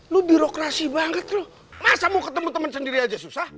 lu birokrasi banget lo masa mau ketemu teman sendiri aja susah